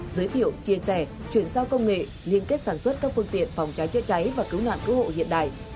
giới thiệu chia sẻ chuyển giao công nghệ liên kết sản xuất các phương tiện phòng cháy chữa cháy và cứu nạn cứu hộ hiện đại